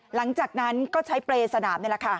หลังจากนั้นก็ใช้เปรย์สนามนี่แหละค่ะ